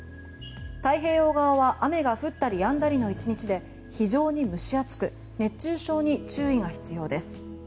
太平洋側は雨が降ったりやんだりの一日で非常に蒸し暑く熱中症に注意が必要です。